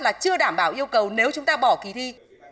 là chưa đảm bảo yêu cầu nếu chúng ta bỏ kỳ thi